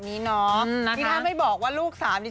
นี่ถ้าไม่บอกว่าลูกสามนี่